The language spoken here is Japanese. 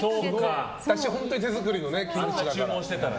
本当に手作りのキムチだから。